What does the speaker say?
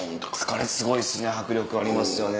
あれすごいっすね迫力ありますよね